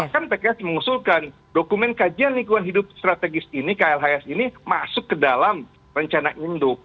kan pks mengusulkan dokumen kajian lingkungan hidup strategis ini klhs ini masuk ke dalam rencana induk